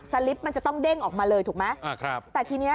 ลิปมันจะต้องเด้งออกมาเลยถูกไหมอ่าครับแต่ทีเนี้ย